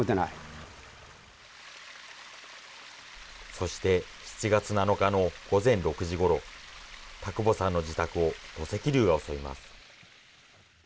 そして７月７日の午前６時ごろ、田窪さんの自宅を土石流が襲います。